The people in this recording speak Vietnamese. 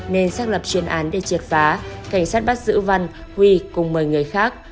nên xác lập chuyên án để triệt phá cảnh sát bắt giữ văn huy cùng một mươi người khác